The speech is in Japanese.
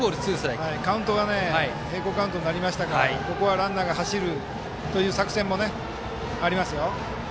カウントが平行カウントになりましたからここはランナーが走るという作戦もありますよ。